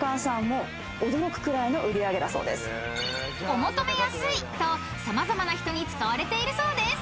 ［お求めやすいと様々な人に使われているそうです］